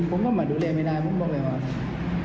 ใช่เพราะว่าเวลาหนูไม่สบายเวลาหนูมีทุกอย่างเลยหนูก็เครียดเหมือนกัน